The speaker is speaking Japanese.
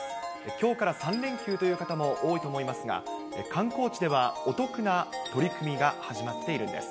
きょうから３連休という方も多いと思いますが、観光地ではお得な取り組みが始まっているんです。